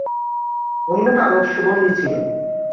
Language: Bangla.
অন্যটা আরো সুগন্ধি ছিল।